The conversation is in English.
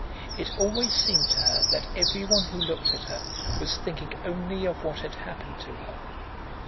It always seemed to her that everyone who looked at her was thinking only of what had happened to her.